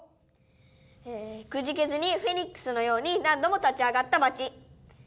「くじけずにフェニックスのように何度も立ち上がった町」。